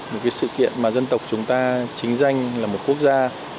một sự kiện mà dân tộc chúng ta chính danh là một quốc gia